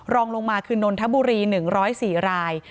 รองลงมาคือนนทบุรี๑๐๔ราย